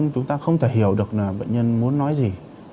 chúng ta không thể hiểu được là bệnh nhân muốn nói gì